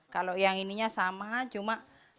kalau yang ininya sama cuma